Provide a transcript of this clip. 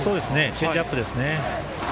チェンジアップですね。